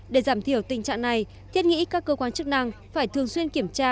để giảm thiểu tình trạng này thiết nghĩ các cơ quan chức năng phải thường xuyên kiểm tra